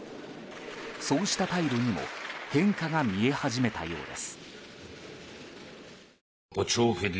そうした態度にも変化が見え始めたようです。